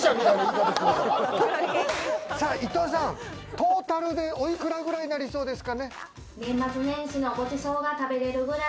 トータルでおいくらぐらいになりそうですか？